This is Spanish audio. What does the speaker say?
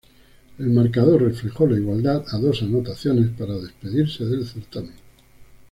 El marcador reflejó la igualdad a dos anotaciones para despedirse del certamen.